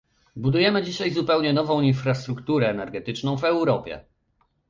Budujemy dzisiaj zupełnie nową infrastrukturę energetyczną w Europie